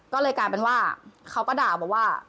ก็เลยกลายเป็นว่าเขาก็ด่าบอกว่า